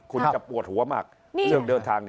คุณจะปวดหัวมากเรื่องเดินทาง